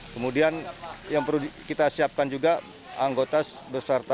kemudian yang perlu kita siapkan juga anggota beserta